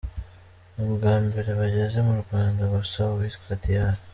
Ni ubwa mbere bageze mu Rwanda gusa uwitwa Dr.